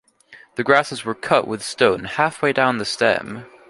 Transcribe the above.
The grasses were cut with stone halfway down the stem.